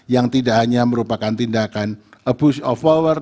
yang tidak hanya merupakan tindakan abuse of power